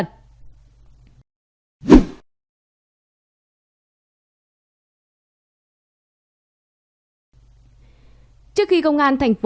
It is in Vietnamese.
công an tp hcm khởi tố vụ án hình sự